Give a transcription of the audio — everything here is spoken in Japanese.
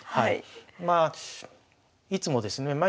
まあいつもですねまあ